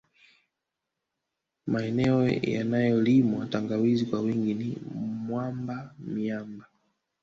Maeneneo yanayolimwa tangawizi kwa wingi ni Mamba Myamba